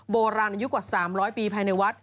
โบราณอายุกว่า๓๐๐ปีภายในวัด